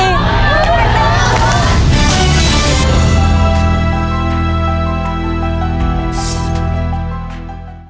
สวัสดีครับ